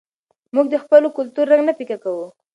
موږ د خپل کلتور رنګ نه پیکه کوو.